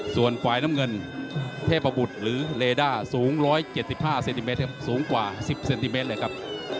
ส่วนฝ่ายน้ำเงินเทพบุตรหรือเลด้าสูง๑๗๕เซนติเมตรสูงกว่า๑๐เซนติเมตรเลยครับ